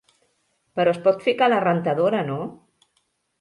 Però es pot ficar a la rentadora, no?